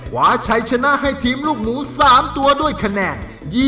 วาชัยชนะให้ทีมลูกหนู๓ตัวด้วยคะแนน